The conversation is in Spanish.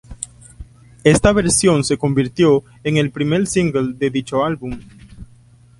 Esta versión se convirtió en el primer single de dicho álbum.